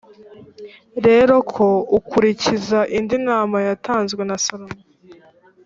rero ko ukurikiza indi nama yatanzwe na salomo